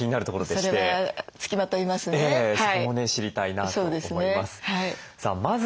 そこもね知りたいなと思います。